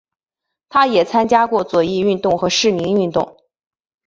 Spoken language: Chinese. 他也参加过左翼运动和市民运动。